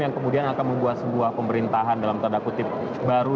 yang kemudian akan membuat sebuah pemerintahan dalam tanda kutip baru